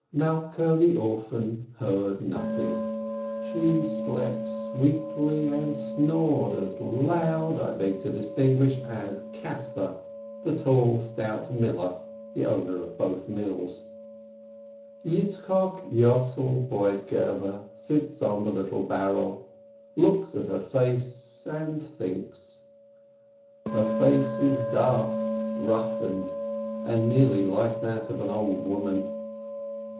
Malkeh the orphan heard nothing. She slept sweetly, and snored as loud (I beg to distinguish!) as Caspar, the tall, stout miller, the owner of both mills. Yitzchok Yossel Broitgeber sits on the little barrel, looks at her face, and thinks. Her face is dark, rough ened, and nearly like that of an old woman.